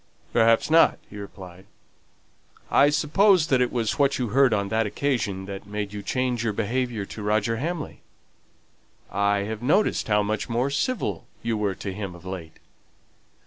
"Perhaps not," he replied. "I suppose that it was what you heard on that occasion that made you change your behaviour to Roger Hamley? I've noticed how much more civil you were to him of late."